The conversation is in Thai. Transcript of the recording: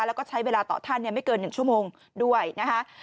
แล้วก็ใช้เวลาต่อท่านไม่เกิน๑ชั่วโมงด้วยนะคะ